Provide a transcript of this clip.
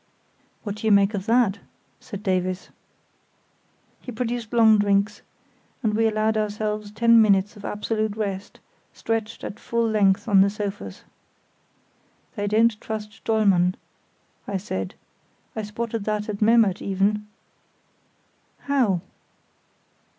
"What do you make of that?" said Davies. He produced long drinks, and we allowed ourselves ten minutes of absolute rest, stretched at full length on the sofas. "They don't trust Dollmann," I said. "I spotted that at Memmert even." "How?"